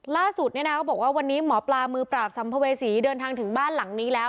ล่าสุดเนี่ยนะเขาบอกว่าวันนี้หมอปลามือปราบสัมภเวษีเดินทางถึงบ้านหลังนี้แล้ว